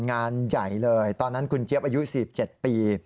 งานใหญ่เลยตอนนั้นคุณเจี๊ยบอายุ๔๗ปี